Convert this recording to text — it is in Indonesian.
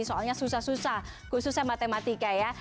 soalnya susah susah khususnya matematika ya